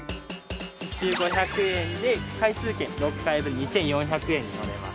１周５００円で、回数券６回分２４００円で乗れます。